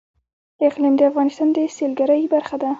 اقلیم د افغانستان د سیلګرۍ برخه ده.